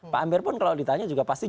pak amer pun kalau ditanya juga pasti jawab